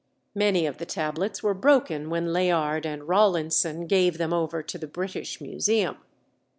Many of the tablets were broken when Layard and Rawlinson gave them over to the British Museum.